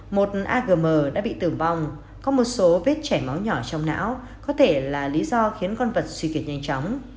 một agm đã bị tử vong có một số vết chảy máu nhỏ trong não có thể là lý do khiến con vật suy kiệt nhanh chóng